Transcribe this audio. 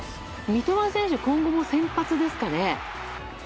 三笘選手、今後も先発ですかね。